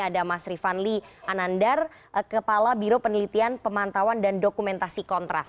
ada mas rifanli anandar kepala biro penelitian pemantauan dan dokumentasi kontraf